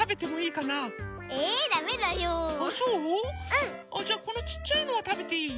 あっじゃこのちっちゃいのはたべていい？